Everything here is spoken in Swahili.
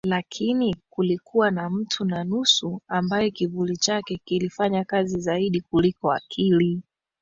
Lakini kulikuwa na mtu na nusu ambaye kivuli chake kilifanya kazi zaidi kuliko akili